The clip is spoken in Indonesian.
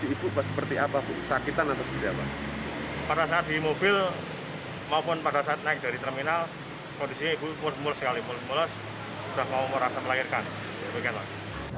ibu hamil tersebut telah viral di media sosial ini